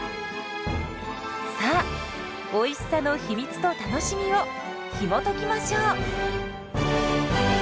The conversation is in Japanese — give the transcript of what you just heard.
さあおいしさの秘密と楽しみをひもときましょう！